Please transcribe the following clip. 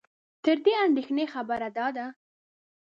تر دې اندېښنې خبره دا ده